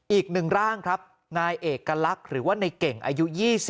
อีกหนึ่งร่างครับนายเอกลักษณ์หรือว่าในเก่งอายุ๒๐